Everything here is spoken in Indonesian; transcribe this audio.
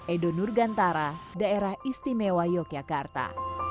edo nurgantara daerah istimewa yogyakarta